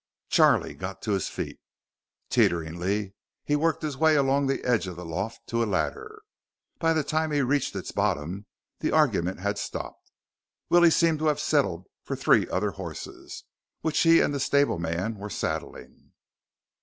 Charlie got to his feet. Teeteringly, he worked his way along the edge of the loft to a ladder. By the time he reached its bottom, the argument had stopped. Willie seemed to have settled for three other horses, which he and the stableman were saddling.